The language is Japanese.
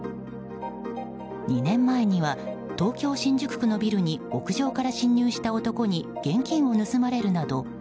２年前には東京・新宿区のビルに屋上から侵入した男に現金を盗まれるなど